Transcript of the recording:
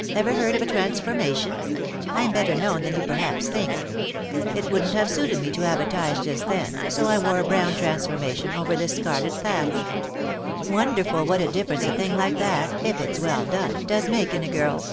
" Ever heard of a transformation ? I'm better known than you perhaps think. It wouldn't have suited me to advertise just then, so I wore a brown transformation over this scarlet thatch. Wonderful what a difference a thing like that, if it's well done, does make in a girl."